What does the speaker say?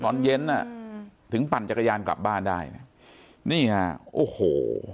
ตอนเย็นอ่ะถึงปั่นจักรยานกลับบ้านได้นะนี่ฮะโอ้โห